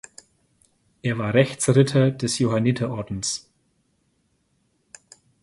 Er war Rechtsritter des Johanniterordens.